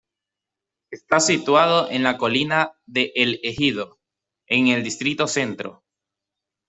Está situado en la colina de El Ejido, en el distrito Centro.